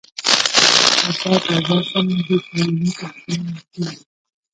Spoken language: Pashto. تضاد یو بل صنعت دئ، چي وینا ته ښکلا ورکوي.